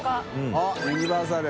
あっ「ユニバーサル」